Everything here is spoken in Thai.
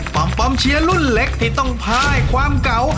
ปอมเชียร์รุ่นเล็กที่ต้องพายความเก่า